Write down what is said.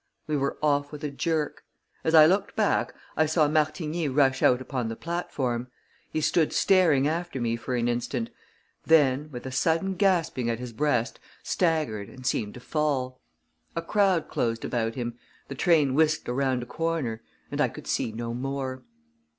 We were off with a jerk; as I looked back, I saw Martigny rush out upon the platform. He stood staring after me for an instant; then, with a sudden grasping at his breast, staggered and seemed to fall. A crowd closed about him, the train whisked around a corner, and I could see no more.